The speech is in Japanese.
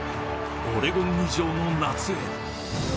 オレゴン以上の夏へ。